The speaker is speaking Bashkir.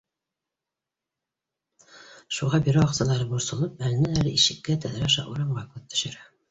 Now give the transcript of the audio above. Шуға бюро ағзалары борсолоп әленән-әле ишеккә, тәҙрә аша урамға күҙ төшөрә